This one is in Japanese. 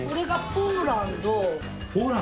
ポーランド。